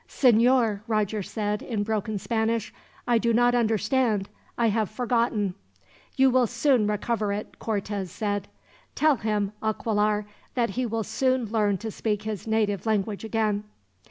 "Senor," Roger said, in broken Spanish, "I do not understand. I have forgotten." "You will soon recover it," Cortez said. "Tell him, Aquilar, that he will soon learn to speak his native language again."